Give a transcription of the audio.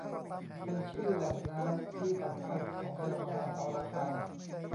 เป็นชื่อแหล่งน้ำที่สำคัญของเมืองมหาสารคาม